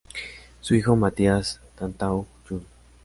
Su hijo Mathias Tantau jun.